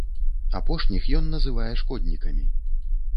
Апошніх ён называе шкоднікамі.